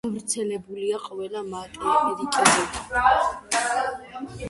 გავრცელებულია ყველა მატერიკზე.